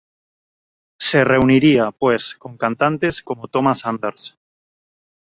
Se reuniría, pues con cantantes como Thomas Anders.